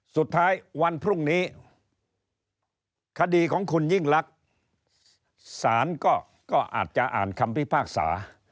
สุดท้ายวันพรุ่งนี้คดีของคุณยิ่งลักษณ์ศาลก็อาจจะอ่านคำพิพากษา